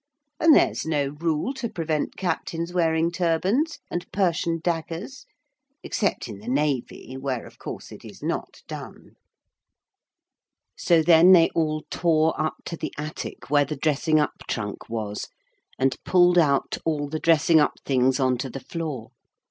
And there is no rule to prevent captains wearing turbans and Persian daggers, except in the Navy where, of course, it is not done.) So then they all tore up to the attic where the dressing up trunk was, and pulled out all the dressing up things on to the floor.